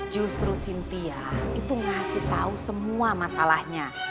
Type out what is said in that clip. tuh justru sintia itu ngasih tau semua masalahnya